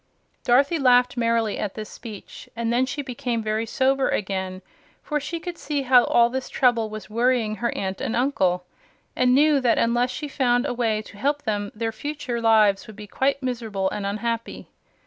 Dorothy laughed merrily at this speech, and then she became very sober again, for she could see how all this trouble was worrying her aunt and uncle, and knew that unless she found a way to help them their future lives would be quite miserable and unhappy.